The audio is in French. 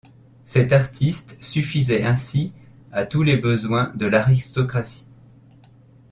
Cet artiste suffisait ainsi à tous les besoins de l’aristocratie.